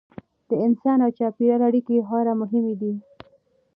د انسان او چاپیریال اړیکې خورا مهمې دي.